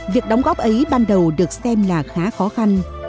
việc đóng góp ấy ban đầu được xem là khá khó khăn